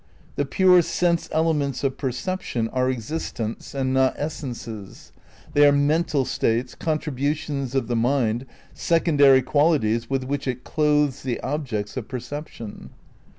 The pure sense elements of percep tion are existents and not essences; they are mental states, contributions of the mind, "secondary" qual ities with which it "clothes" the objects of perception.